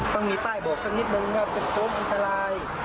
ต้องมีป้ายบอกสักนิดนึงว่าเป็นโค้งอันตราย